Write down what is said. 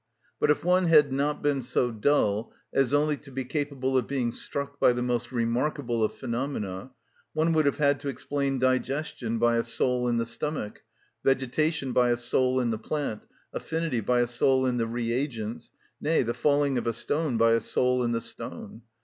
But if one had not been so dull as only to be capable of being struck by the most remarkable of phenomena, one would have had to explain digestion by a soul in the stomach, vegetation by a soul in the plant, affinity by a soul in the reagents, nay, the falling of a stone by a soul in the stone.